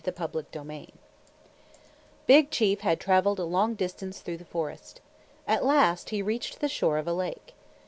THE BEAVERS' LODGE Big Chief had traveled a long distance through the forest. At last he reached the shore of a lake.